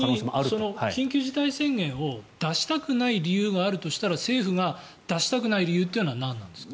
逆に緊急事態宣言を出したくない理由があるとしたら政府が出したくない理由はなんなんですか。